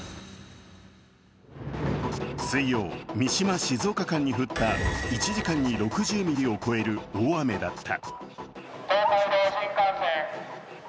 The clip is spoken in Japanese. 水曜、三島−静岡間に降った１時間に６０ミリを超える大雨だった。